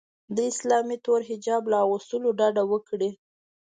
د اسلامي تور حجاب له اغوستلو ډډه وکړي